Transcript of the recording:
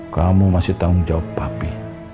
kamu masih tanggung jawab papi